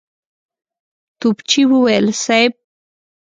توپچي وويل: صېب!